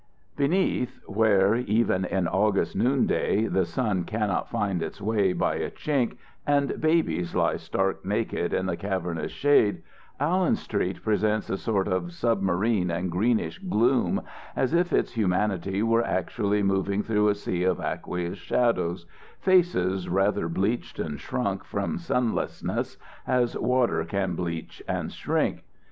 Beneath, where, even in August noonday, the sun cannot find its way by a chink, and babies lie stark naked in the cavernous shade, Allen Street presents a sort of submarine and greenish gloom, as if its humanity were actually moving through a sea of aqueous shadows, faces rather bleached and shrunk from sunlessness as water can bleach and shrink.